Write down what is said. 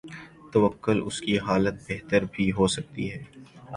تو کل اس کی حالت بہتر بھی ہو سکتی ہے۔